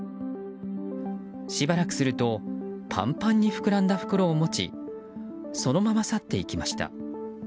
しばらくするとパンパンに膨らんだ袋を持ちそのまま去っていきました。